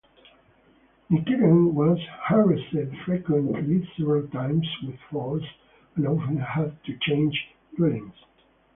Nichiren was harassed frequently, several times with force, and often had to change dwellings.